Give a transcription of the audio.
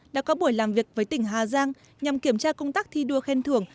đã có buổi làm việc với tỉnh hà giang nhằm kiểm tra công tác thi đua khen thưởng